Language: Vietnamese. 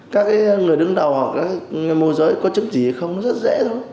các người đứng đầu hoặc người môi giới có chứng gì hay không rất dễ thôi